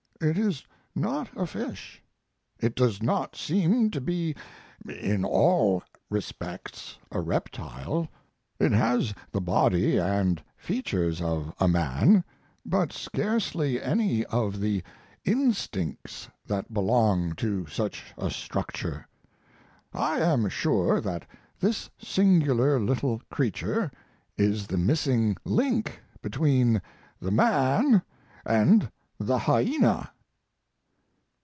It is not a fish. It does not seem to be in all respects a reptile. It has the body and features of a man, but scarcely any of the instincts that belong to such a structure.... I am sure that this singular little creature is the missing link between the man and the hyena.